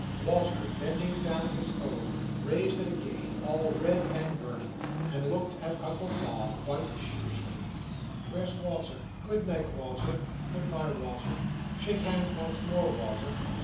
Walter, bending down his own, raised it again, all red and burning; and looked at Uncle Sol, quite sheepishly. "Where's Walter?" "Good night, Walter!" "Good bye, Walter!" "Shake hands once more, Walter!"